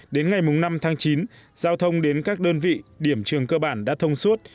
đến ngày năm tháng chín giao thông đến các đơn vị điểm trường cơ bản đã thông suốt